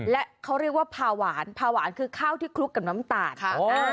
และเขาเรียกว่าพาหวานพาหวานคือข้าวที่คลุกกับน้ำตาลค่ะ